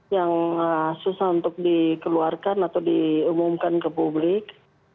yang susah untuk dikeluarkan atau diumumkan ke publik